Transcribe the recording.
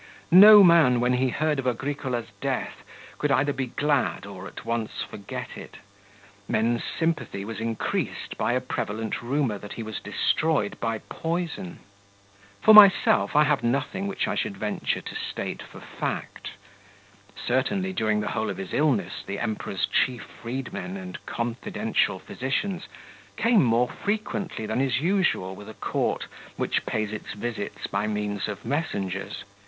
No man when he heard of Agricola's death could either be glad or at once forget it. Men's sympathy was increased by a prevalent rumour that he was destroyed by poison. For myself, I have nothing which I should venture to state for fact. Certainly during the whole of his illness the Emperor's chief freedmen and confidential physicians came more frequently than is usual with a court which pays its visits by means of messengers.